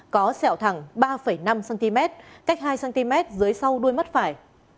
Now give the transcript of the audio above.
có sẹo thẳng ba năm cm cách hai cm dưới sau đuôi mắt phải